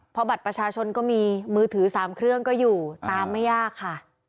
เพราะบัตรประชาชนก็มีมือถือ๓เครื่องก็อยู่ตามไม่ยากค่ะ